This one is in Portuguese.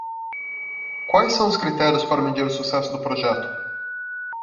Quais são os critérios para medir o sucesso do projeto?